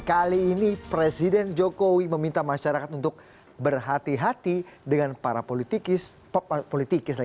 kali ini presiden jokowi meminta masyarakat untuk berhati hati dengan para politikis